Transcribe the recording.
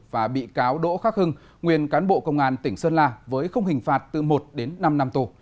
và bị cáo đỗ khắc hưng nguyên cán bộ công an tỉnh sơn la với không hình phạt từ một đến năm năm tù